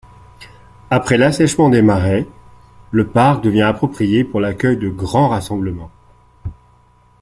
Après l'assèchement des marais, le parc devient approprié pour l'accueil de grands rassemblements.